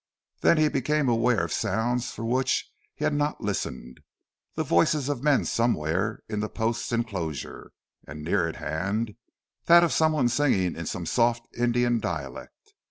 Then he became aware of sounds for which he had not listened the voices of men somewhere in the post's enclosure, and, nearer at hand, that of some one singing in some soft Indian dialect.